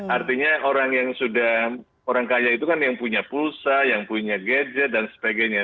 artinya orang yang sudah orang kaya itu kan yang punya pulsa yang punya gadget dan sebagainya